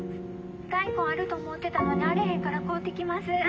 大根あると思てたのにあれへんから買うてきます。